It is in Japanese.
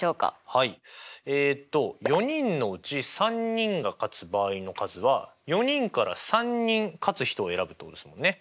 はいえっと４人のうち３人が勝つ場合の数は４人から３人勝つ人を選ぶってことですもんね。